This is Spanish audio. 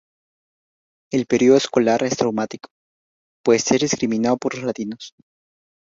El periodo escolar es traumático, pues es discriminado por los latinos.